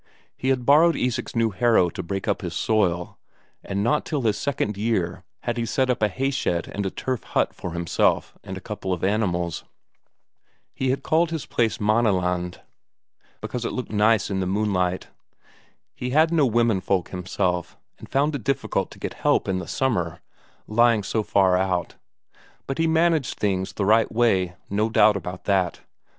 He had borrowed Isak's new harrow to break up his soil, and not till the second year had he set up a hayshed and a turf hut for himself and a couple of animals. He had called his place Maaneland, because it looked nice in the moonlight. He had no womenfolk himself, and found it difficult to get help in the summer, lying so far out, but he managed things the right way, no doubt about that.